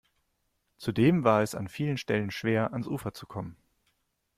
Zudem war es an vielen Stellen schwer, ans Ufer zu kommen.